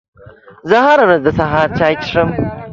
زه هره ورځ د سهار چای څښم